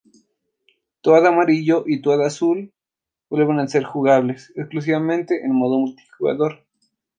Toad Amarillo y Toad Azul vuelven a ser jugables, exclusivamente en modo multijugador.